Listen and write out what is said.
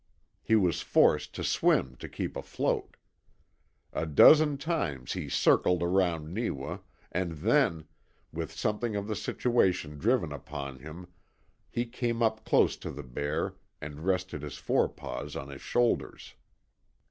He was forced to swim to keep afloat. A dozen times he circled around Neewa, and then, with something of the situation driven upon him, he came up close to the bear and rested his forepaws on his shoulders.